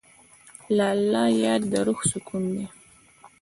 د الله یاد د روح سکون دی.